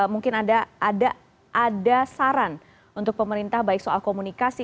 mungkin ada saran untuk pemerintah baik soal komunikasi